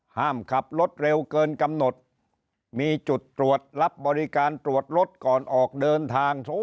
ห้ามขับรถเร็วเกินกำหนดมีจุดตรวจรับบริการตรวจรถก่อนออกเดินทาง